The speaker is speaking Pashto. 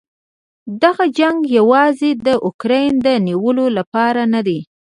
دغه جنګ یواځې د اوکراین د نیولو لپاره نه دی.